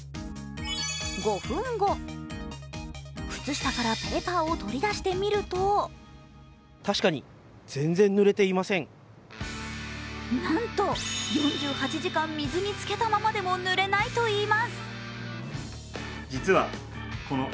５分後、靴下からペーパーを取り出してみるとなんと４８時間、水に浸けたままでもぬれないといいます。